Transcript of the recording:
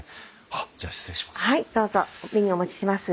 あっじゃあ失礼します。